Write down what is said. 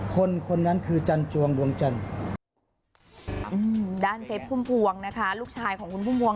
คนคนนั้นคือจันทรวงดวงจน